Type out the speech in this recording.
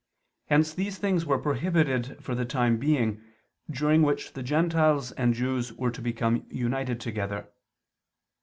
Hence these things were prohibited for the time being, during which the Gentiles and Jews were to become united together.